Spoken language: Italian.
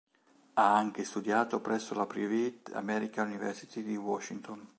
Ha anche studiato presso la Private American University di Washington.